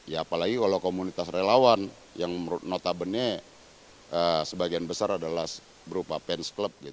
ya apalagi kalau komunitas relawan yang menurut notabene sebagian besar adalah berupa fans club